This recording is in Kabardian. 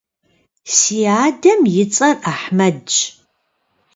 Si adem yi ts'er Ahmedş.